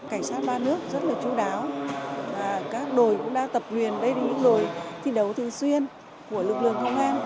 cảnh sát ba nước rất là chú đáo và các đội cũng đã tập nguyên với những đội thi đấu thường xuyên của lực lượng công an